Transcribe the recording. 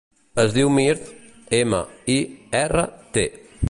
Es diu Mirt: ema, i, erra, te.